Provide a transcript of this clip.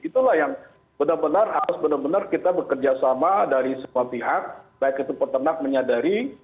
itulah yang benar benar harus benar benar kita bekerja sama dari semua pihak baik itu peternak menyadari